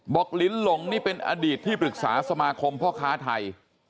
ลิ้นหลงนี่เป็นอดีตที่ปรึกษาสมาคมพ่อค้าไทย